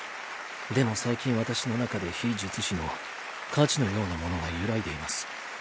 でも最近私の中で非術師の価値のようなものが揺らいでいます。